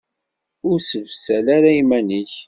Ur ssebsal ara iman-ik!